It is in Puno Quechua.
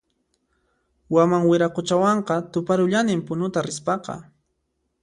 Waman Wiraquchawanqa tuparullanin Punuta rispaqa